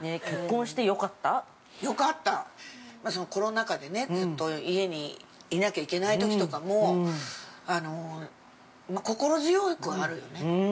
コロナ禍でずっと家にいなきゃいけないときとかも、心強くはあるよね。